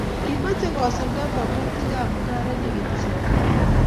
kimochei kosulda mokutikab mung'aret neteseitai.